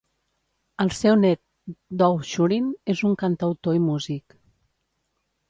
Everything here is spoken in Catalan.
El seu net Dov Shurin és un cantautor i músic.